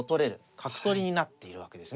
角取りになっているわけですね。